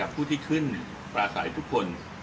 ผู้ที่ขึ้นปลาใสทุกคน